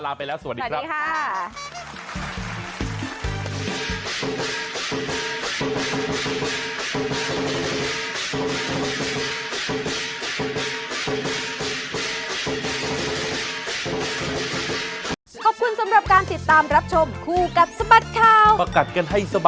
ลาไปแล้วสวัสดีครับ